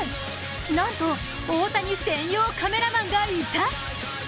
なんと大谷専用カメラマンがいた。